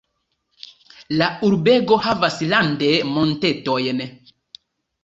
La urbego havas rande montetojn.